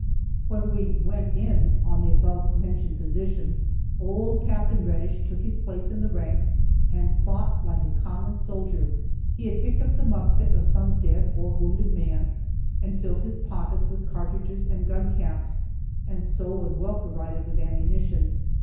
When we "went in" on the above mentioned position old Capt. Reddish took his place in the ranks, and fought like a common soldier. He had picked up the musket of some dead or wounded man, and filled his pockets with cartridges and gun caps, and so was well provided with ammunition.